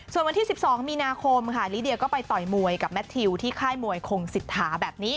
ส่วนวันที่๑๒มีนาคมค่ะลิเดียก็ไปต่อยมวยกับแมททิวที่ค่ายมวยคงสิทธาแบบนี้